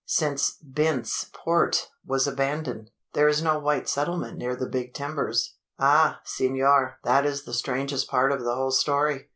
Since Bent's Port was abandoned, there is no white settlement near the Big Timbers." "Ah! senor! that is the strangest part of the whole story.